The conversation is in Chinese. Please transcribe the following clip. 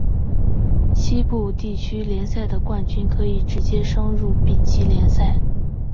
西部地区联赛的冠军可以直接升入丙级联赛。